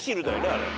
あれ。